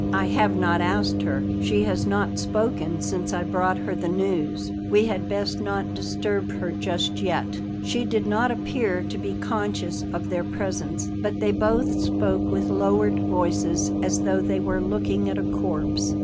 "I have not asked her; she has not spoken since I brought her the news. We had best not disturb her just yet." She did not appear to be conscious of their presence, but they both spoke with lowered voices, as though they were looking at a corpse.